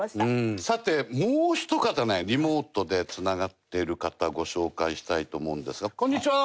さてもう一方ねリモートで繋がっている方ご紹介したいと思うんですがこんにちは！